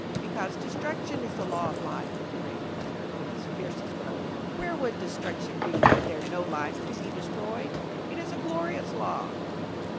"Because destruction is the law of life," the Raven uttered, with his fiercest croak. "Where would destruction be, were there no life to be destroyed? It is a glorious law."